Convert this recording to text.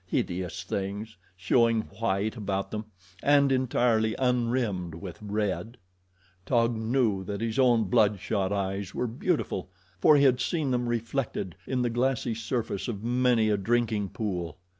Hideous things, showing white about them, and entirely unrimmed with red. Taug knew that his own blood shot eyes were beautiful, for he had seen them reflected in the glassy surface of many a drinking pool.